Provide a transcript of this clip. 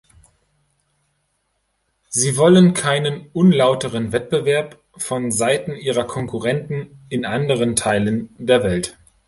Sie wollen keinen unlauteren Wettbewerb vonseiten ihrer Konkurrenten in anderen Teilen der Welt.